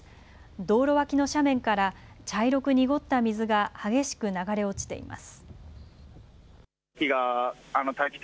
道路脇の斜面から茶色く濁った水が激しく流れ落ちています。